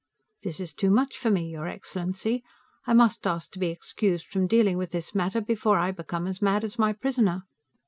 This is too much for me, your excellency; I must ask to be excused from dealing with this matter, before I become as mad as my prisoner!